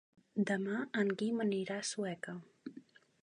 Demà en Guim anirà a Sueca.